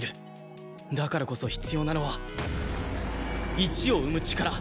だからこそ必要なのは１を生む力。